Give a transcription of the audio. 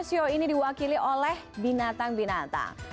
sio ini diwakili oleh binatang binatang